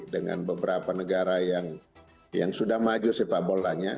dengan beberapa negara yang sudah maju sepakbolanya